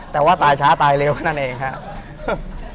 แต่ว่าตายช้าตายเร็วแค่นั้นเองครับ